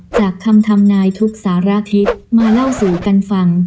จากคำทำนายทุกสารทิศมาเล่าสู่กันฟัง